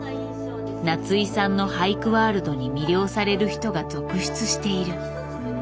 夏井さんの俳句ワールドに魅了される人が続出している。